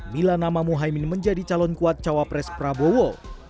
bila nama muhaymin menjadi calon kuat cawapres prabowo